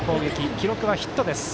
記録はヒットです。